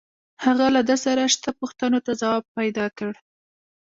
هغه له ده سره شته پوښتنو ته ځواب پیدا کړ